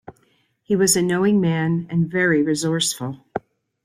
He was a knowing man, and very resourceful.